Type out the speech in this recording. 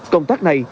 công tác này